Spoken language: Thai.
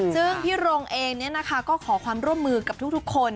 ซึ่งพี่รงเองก็ขอความร่วมมือกับทุกคน